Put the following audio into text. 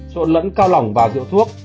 trộn lẫn cao lỏng và rượu thuốc